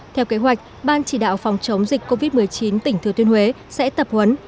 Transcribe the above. theo kế hoạch ban chỉ đạo phòng chống dịch covid một mươi chín tỉnh thừa thiên huế sẽ tập huấn